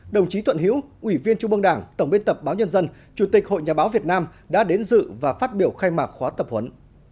đồng chí thuận hiễu ủy viên trung ương đảng tổng biên tập báo nhân dân chủ tịch hội nhà báo việt nam đã đến dự và phát biểu khai mạc khóa tập huấn